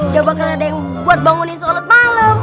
gak bakal ada yang buat bangunin sholat malam